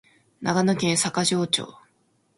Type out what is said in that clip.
長野県坂城町